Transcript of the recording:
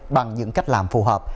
bằng những cách làm phù hợp